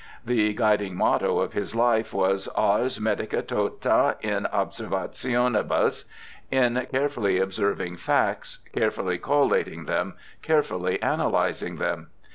The guiding motto of his life was ' Ars medica tota in observationi bus', in carefully observing facts, carefully collating them, carefully analysing them.